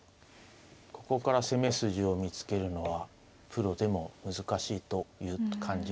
ここから攻め筋を見つけるのはプロでも難しいという感じはします。